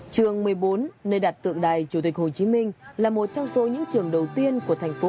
trường một mươi bốn nơi đặt tượng đài chủ tịch hồ chí minh là một trong số những trường đầu tiên của thành phố